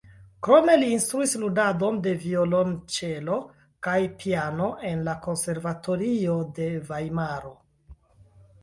Krome li instruis ludadon de violonĉelo kaj piano en la Konservatorio de Vajmaro.